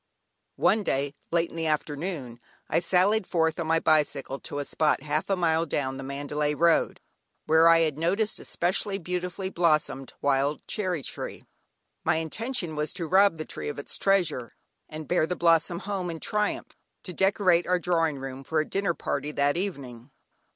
One day, late in the afternoon, I sallied forth on my bicycle to a spot half a mile down the Mandalay road, where I had noticed a specially beautifully blossomed wild cherry tree. My intention was to rob the tree of its treasure, and bear the blossom home in triumph to decorate our drawing room for a dinner party that evening.